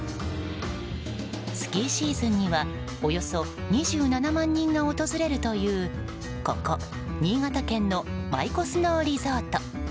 スキーシーズンにはおよそ２７万人が訪れるというここ新潟県の舞子スノーリゾート。